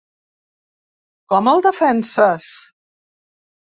Com el defenses?